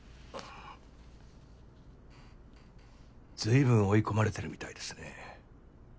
ずいぶん追い込まれてるみたいですね。